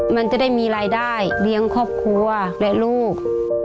มันจะได้มีรายได้เลี้ยงครอบครัวและลูก